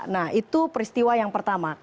nah itu peristiwa yang pertama